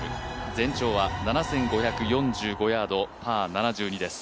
全長は７５４５ヤード、パー７２です。